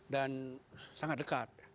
dan sangat dekat